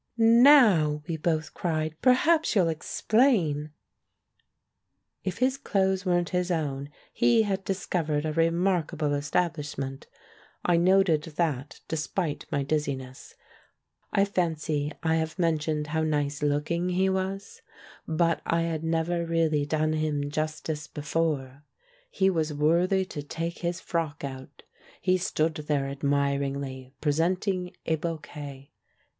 "Now!" we both cried. "Perhaps you'll ex plain?" 218 THE MAN WHO UNDERSTOOD WOMEN If his clothes weren't his own, he had discov ered a remarkable establishment; I noted that, despite my dizziness. I fancy I have mentioned how nice looking he was, but I had never really done him justice before. He was worthy to take his frock out. He stood there admiringly, pre senting a bouquet.